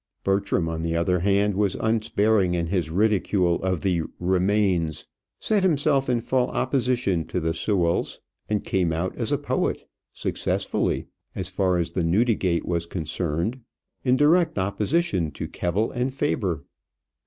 Bertram, on the other hand, was unsparing in his ridicule of the "Remains," set himself in full opposition to the Sewells, and came out as a poet successfully, as far as the Newdegate was concerned in direct opposition to Keble and Faber.